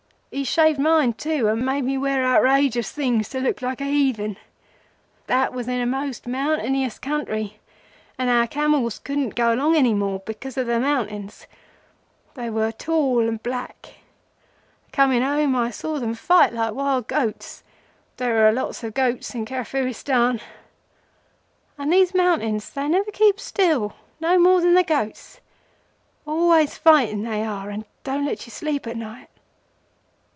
He shaved mine, too, and made me wear outrageous things to look like a heathen. That was in a most mountaineous country, and our camels couldn't go along any more because of the mountains. They were tall and black, and coming home I saw them fight like wild goats—there are lots of goats in Kafiristan. And these mountains, they never keep still, no more than the goats. Always fighting they are, and don't let you sleep at night."